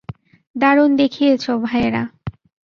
দারুণ দেখিয়েছো, ভাইয়েরা।